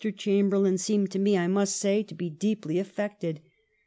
Chamberlain seemed to me, I must say, to be deeply affected.